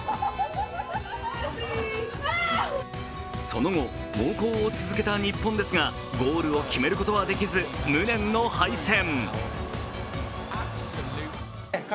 その後、猛攻を続けた日本ですがゴールを決めることはできず、無念の敗戦。